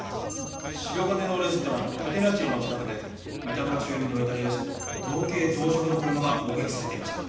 白金のレストラン「Ｃａｔｅｎａｃｃｉｏ」の近くで三田村所有のイタリア車と同型同色の車が目撃されていました。